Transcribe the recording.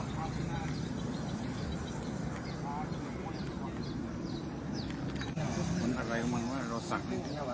ท้ายบ้านใต้มือตัวเที่ยม